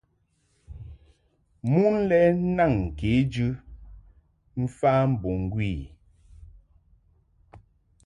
Mun lɛ naŋ kejɨ mf ambo ŋgwi i.